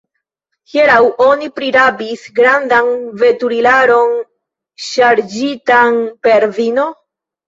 Hieraŭ oni prirabis grandan veturilaron, ŝarĝitan per vino.